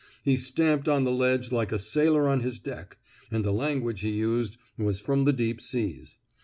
He stamped on the ledge like a sailor on his deck, and the language he used was from the deep seas.